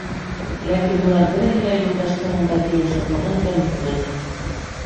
Ләкин былар береһе лә Юлдаштың унда килеү шатлығын кәметмәне.